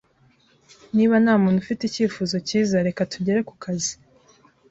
Niba ntamuntu ufite icyifuzo cyiza, reka tugere kukazi.